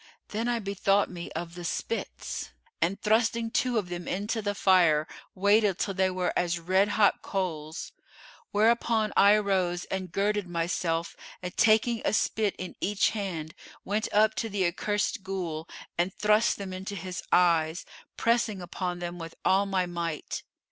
Then I bethought me of the spits and thrusting two of them into the fire, waited till they were as red hot coals: whereupon I arose and girded myself and taking a spit in each hand went up to the accursed Ghul and thrust them into his eyes, pressing upon them with all my might.